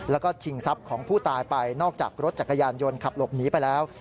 แล้วก็ชิงทรัพย์ของผู้ตายไปนอกจากรถจักรยานยนต์ขับหลบหนีไปแล้ว